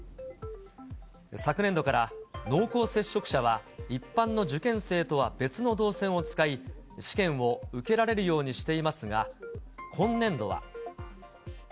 昨年度から、濃厚接触者は一般の受験生とは別の動線を使い、試験を受けられるようにしていますが、今年度は。